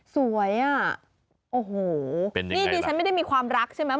สวยอ่ะโอ้โหนี่ดิฉันไม่ได้มีความรักใช่ไหม